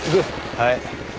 はい。